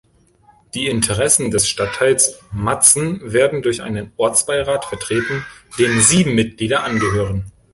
Die Interessen des Stadtteils Matzen werden durch einen Ortsbeirat vertreten, dem sieben Mitglieder angehören.